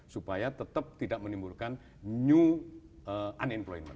supaya tetap tidak menimbulkan new unemployment